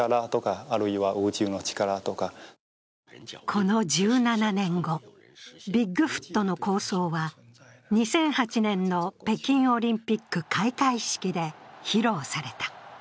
この１７年後ビッグフットの構想は２００８年の北京オリンピック開会式で披露された。